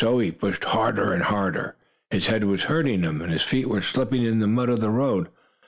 He pushed harder and harder. His head was hurting him, and his feet were slipping in the mud of the road.